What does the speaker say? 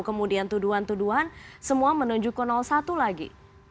kemudian tuduhan tuduhan semua menunjuk ke satu lagi